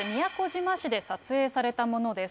こちら、先月、宮古島市で撮影されたものです。